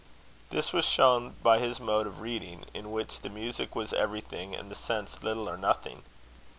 This was shown by his mode of reading, in which the music was everything, and the sense little or nothing.